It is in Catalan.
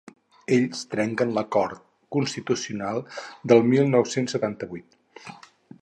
Ells trenquen l’acord constitucional del mil nou-cents setanta-vuit.